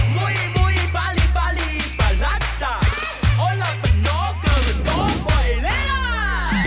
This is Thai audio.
มุยมุยบาลีบาลีบาลัดจักรโอ๊ยเราเป็นน้องเกิดน้องปล่อยเลยล่ะ